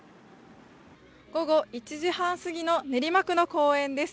午後１時半過ぎの練馬区の公園です。